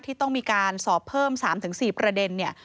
ที่ต้องมีการสอบเพิ่ม๓๔ประเด็นเนี่ย